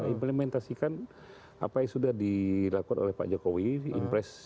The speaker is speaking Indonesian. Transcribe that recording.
implementasikan apa yang sudah dilakukan oleh pak jokowi di impres